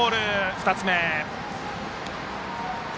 ２つ目。